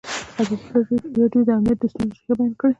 ازادي راډیو د امنیت د ستونزو رېښه بیان کړې.